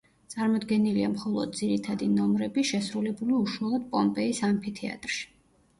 წარმოდგენილია მხოლოდ ძირითადი ნომრები, შესრულებული უშუალოდ პომპეის ამფითეატრში.